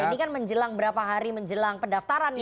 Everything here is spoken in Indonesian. ini kan menjelang berapa hari menjelang pendaftaran nih